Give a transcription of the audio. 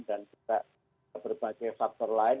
dan kita berbagai faktor lain